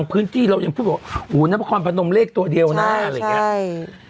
คือบอกอู๋นับความพนมเลขตัวเดียวน่ะอะไรอย่างนี้